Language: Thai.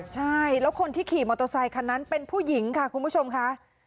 ใช่แล้วคนที่ขี่มอเตอร์ไซคันนั้นเป็นผู้หญิงค่ะคุณผู้ชมค่ะ